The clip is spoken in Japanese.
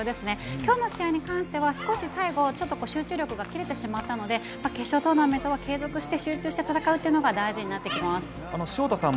今日の試合に関しては最後ちょっと集中力が切れてしまったので決勝トーナメントは継続して集中して戦うのが大事になります。